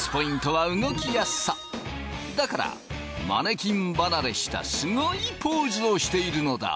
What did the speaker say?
だからマネキン離れしたすごいポーズをしているのだ。